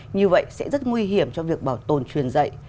như vậy sẽ rất nguy hiểm cho việc bảo tồn truyền dạy